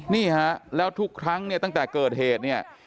นี่ฮะแล้วทุกครั้งเนี่ยตั้งแต่เกิดเหตุเนี่ย